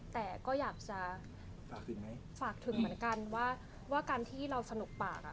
แต่ก็อยากจะฝากถึงเหมือนกันว่าการที่เราสนุกปาก